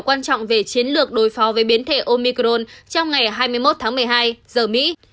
quan trọng về chiến lược đối phó với biến thể omicron trong ngày hai mươi một tháng một mươi hai giờ mỹ